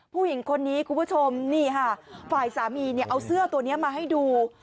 ผู้หญิงคนนี้คุณผู้ชมนี่ค่ะฝ่ายสามีเนี่ยเอาเสื้อตัวนี้มาให้ดู